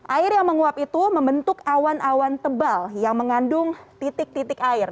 air yang menguap itu membentuk awan awan tebal yang mengandung titik titik air